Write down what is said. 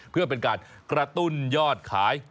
เพื่อเป็นการกระตุ้นยอดขาย